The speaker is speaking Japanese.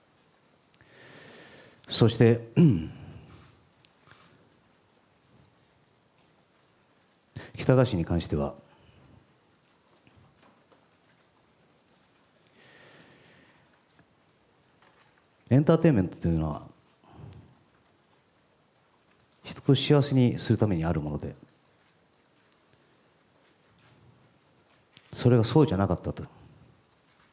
そして、喜多川氏に関しては、エンターテインメントというのは、人を幸せにするためにあるもので、それがそうじゃなかったと。